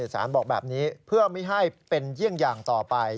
สารบอกแบบนี้เพื่อไม่ให้เป็นเยี่ยงอย่างต่อไป